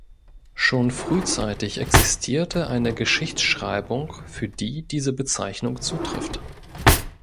Schon frühzeitig existierte eine Geschichtsschreibung, für die diese Bezeichnung zutrifft.